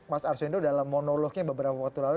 mas arswendo dalam monolognya beberapa waktu lalu